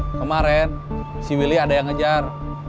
kemarin si willy ada yang ngejar